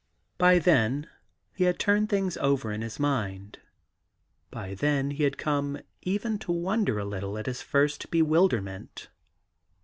By then he had turned things over in his mind, by then he had come even to wonder a little at his first bewilderment.